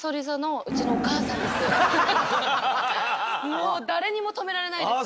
もう誰にも止められないです。